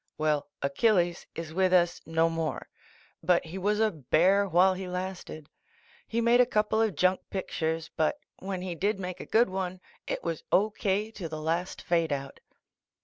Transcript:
Well, Achilles is with us no 7Tiore. But he was a bear while he lasted. He made a coupk of junk pictures, but svhen he did make a good one. it was C>. K. to the last fadeout.